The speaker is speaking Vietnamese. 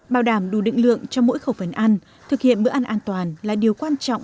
bảo đảm đủ định lượng cho mỗi khẩu phần ăn thực hiện bữa ăn an toàn là điều quan trọng